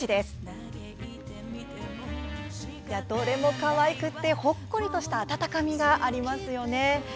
どれもかわいくてほっこりとした温かみがありますよね。